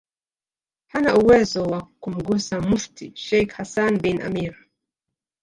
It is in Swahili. hana uwezo wa kumgusa Mufti Sheikh Hassan bin Amir